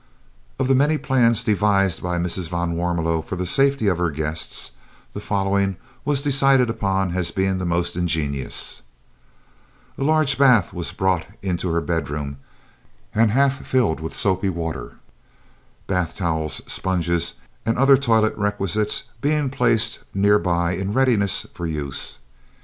Of the many plans devised by Mrs. van Warmelo for the safety of her guests, the following was decided upon as being the most ingenious: A large bath was brought into her bedroom and half filled with soapy water, bath towels, sponges, and other toilet requisites being placed near by in readiness for use.